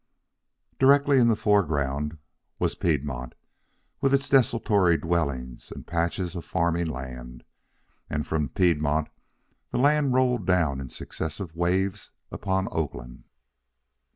Directly in the foreground was Piedmont, with its desultory dwellings and patches of farming land, and from Piedmont the land rolled down in successive waves upon Oakland.